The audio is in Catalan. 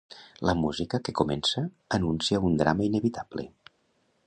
La música que comença anuncia un drama inevitable.